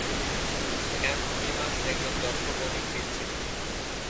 অ্যান্থনিমাস একজন দক্ষ গণিতবিদ ছিলেন।